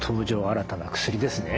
新たな薬」ですね。